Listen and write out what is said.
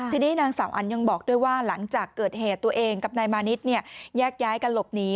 ทีนี้นางสาวอันยังบอกด้วยว่าหลังจากเกิดเหตุตัวเองกับนายมานิดแยกย้ายกันหลบหนี